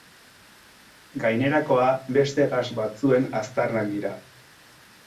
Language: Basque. Gainerakoa beste gas batzuen aztarnak dira.